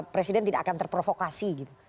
presiden tidak akan terprovokasi gitu